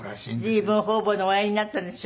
随分方々でおやりになったでしょ？